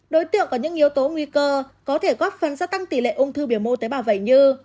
đối tượng có những yếu tố nguy cơ có thể góp phần gia tăng tỷ lệ ung thư biểu mô tế bào vẩy như